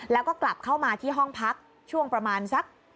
แล้วก็กลับเข้ามาที่ห้องพักช่วงประมาณสัก